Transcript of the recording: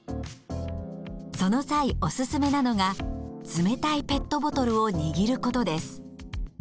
その際おすすめなのが冷たいペットボトルを握ることです。